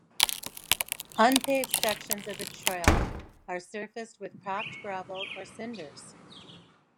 Unpaved sections of the trail are surfaced with packed gravel or cinders.